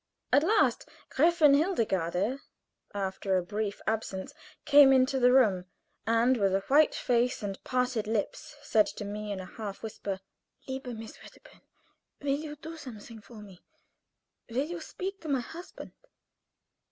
At last Gräfin Hildegarde, after a brief absence, came into the room, and with a white face and parted lips, said to me in a half whisper. "Liebe Miss Wedderburn, will you do something for me? Will you speak to my husband?"